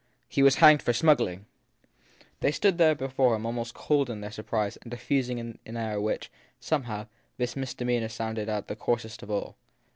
He was hanged for smuggling ! 7 They stood there before him almost cold in their surprise and diffusing an air in which, somehow, this misdemeanour sounded out as the coarsest of all.